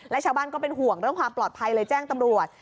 และชาวบ้านก็เป็นห่วงเรื่องความปลอดภัยเลยแจ้งตำรวจ